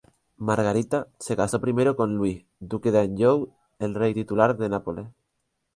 Margarita se casó primero con Luis, duque de Anjou, el rey titular de Nápoles.